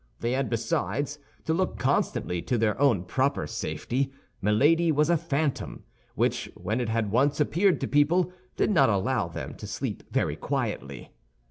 They had, besides, to look constantly to their own proper safety; Milady was a phantom which, when it had once appeared to people, did not allow them to sleep very quietly.